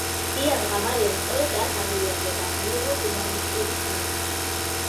ბიანკა მარია სწორედ აქ აღიზარდა და მიიღო ჰუმანისტური განათლება.